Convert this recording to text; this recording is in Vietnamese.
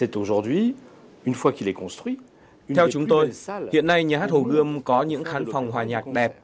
theo chúng tôi hiện nay nhà hát hồ gươm có những khán phòng hòa nhạc đẹp